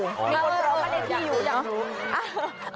มีคนรอบ้านเลขที่อยู่เนอะ